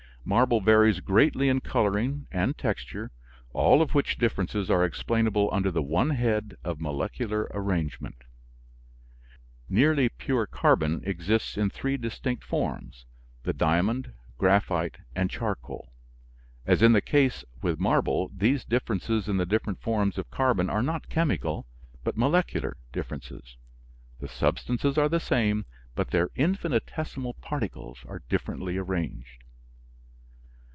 Marble varies greatly in coloring and texture, all of which differences are explainable under the one head of molecular arrangement. Nearly pure carbon exists in three distinct forms the diamond, graphite, and charcoal. As is the case with marble, these differences in the different forms of carbon are not chemical, but molecular differences. The substances are the same, but their infinitesimal particles are differently arranged.